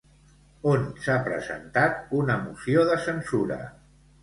On s'ha presentat una moció de censura?